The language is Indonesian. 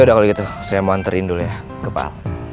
yaudah kalau gitu saya mau anterin dulu ya ke pak al